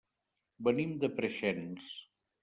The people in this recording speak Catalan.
Venim de Preixens.